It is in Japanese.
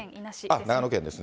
長野県ですね。